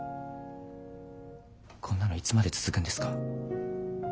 こんなのいつまで続くんですか？